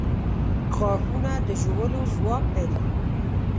• غاښونه د ژولو ځواک لري.